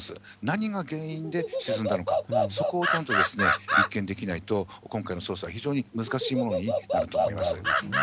何が原因で沈んだのか、そこをちゃんと立件できないと、今回の捜査は非常に難しいものになると思います。